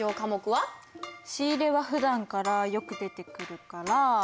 仕入はふだんからよく出てくるから。